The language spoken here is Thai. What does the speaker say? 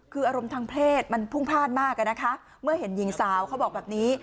คืออารมณ์ทางเพศมันพุ่งพลาดมากอะนะคะเมื่อเห็นหญิงสาวเขาบอกแบบนี้